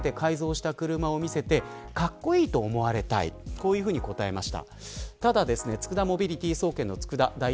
こういうふうに答えています。